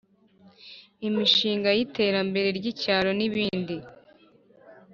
Imishinga y iterambere ry icyaro n ibindi